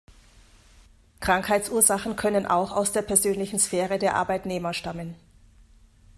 Krankheitsursachen können auch aus der persönlichen Sphäre der Arbeitnehmer stammen.